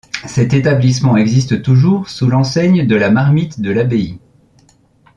Cet établissement existe toujours sous l'enseigne de La Marmite de l'Abbaye.